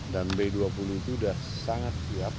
dan b dua puluh itu sudah sangat siap